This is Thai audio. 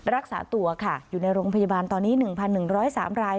รักษาตัวค่ะอยู่ในโรงพยาบาลตอนนี้๑๑๐๓ราย